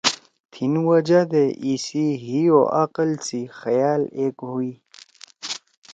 تھیِن وجہ دے ایِسی حی او عقل سی خیال ایک ہُوئی